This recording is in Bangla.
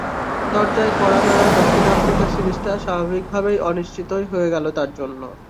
দরজায় কড়া নাড়া দক্ষিণ আফ্রিকা সিরিজটা স্বাভাবিকভাবেই অনিশ্চিতই হয়ে গেল তাঁর জন্য।